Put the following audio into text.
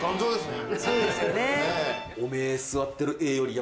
そうですよね。